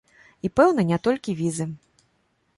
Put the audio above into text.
І, пэўна, не толькі візы.